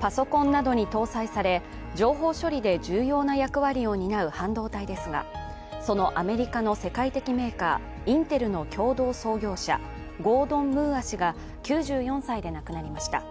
パソコンなどに搭載され、情報処理で重要や役割を担う半導体ですがそのアメリカの世界的メーカー、インテルの共同創業者ゴードン・ムーア氏が９４歳で亡くなりました。